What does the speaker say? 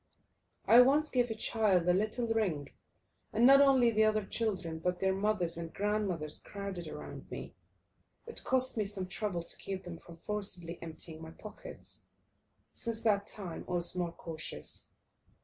I once gave a child a little ring, and not only the other children, but their mothers and grandmothers, crowded round me. It cost me some trouble to keep them from forcibly emptying my pockets. Since that time I was more cautious.